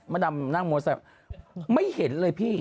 มาดำนั่งโมสาไม่เห็นเลยพี่